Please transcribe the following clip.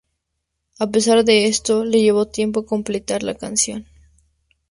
A pesar de esto, le llevó tiempo completar la canción.